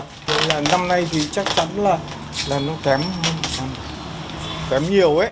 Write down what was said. nên là năm nay thì chắc chắn là là nó kém kém nhiều ấy